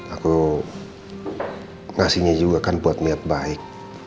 aku ngasihnya juga kan buat niat baik